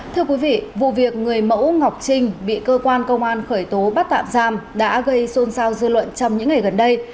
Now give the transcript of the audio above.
thưa quý vị vụ việc người mẫu ngọc trinh bị cơ quan công an khởi tố bắt tạm giam đã gây xôn xao dư luận trong những ngày gần đây